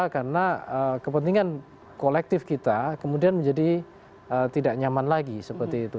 karena kepentingan kolektif kita kemudian menjadi tidak nyaman lagi seperti itu